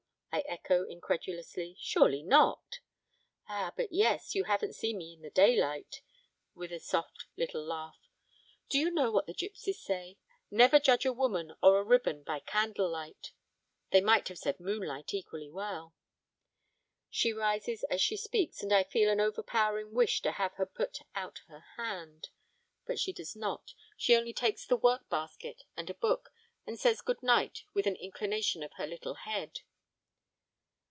I echo incredulously, 'surely not?' 'Ah, but yes, you haven't seen me in the daylight,' with a soft little laugh. 'Do you know what the gipsies say? "Never judge a woman or a ribbon by candle light." They might have said moonlight equally well.' She rises as she speaks, and I feel an overpowering wish to have her put out her hand. But she does not, she only takes the work basket and a book, and says good night with an inclination of her little head.